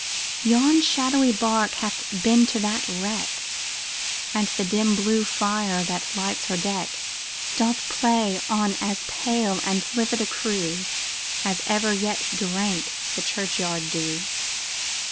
Yon shadowy bark hath been to that wreck, And the dim blue fire, that lights her deck, Doth play on as pale and livid a crew, As ever yet drank the churchyard dew.